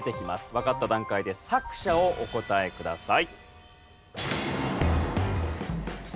わかった段階で作者をお答えください。